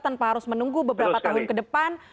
tanpa harus menunggu beberapa tahun ke depan